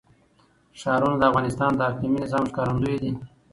ښارونه د افغانستان د اقلیمي نظام ښکارندوی ده.